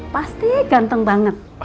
pasti ganteng banget